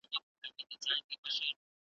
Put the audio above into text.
ته دي یې د عِشَق کاروباره زنداباد